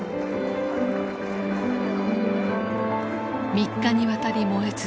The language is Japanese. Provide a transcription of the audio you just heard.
３日にわたり燃え続け